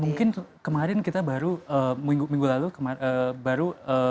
mungkin kemarin kita baru minggu lalu baru